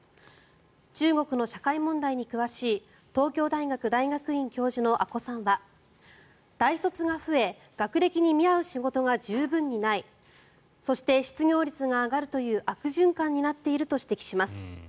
中国の社会問題に詳しい東京大学大学院教授の阿古さんは大卒が増え学歴に見合う仕事が十分にないそして、失業率が上がるという悪循環になっていると指摘します。